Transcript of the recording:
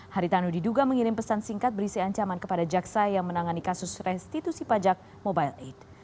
haritanu diduga mengirim pesan singkat berisi ancaman kepada jaksa yang menangani kasus restitusi pajak mobile aid